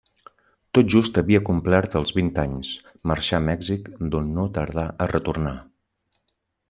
Tot just havia complert els vint anys, marxà a Mèxic d'on no tardà a retornar.